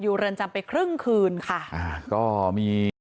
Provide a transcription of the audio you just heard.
อยู่เรือนจำไปครึ่งคืนค่ะ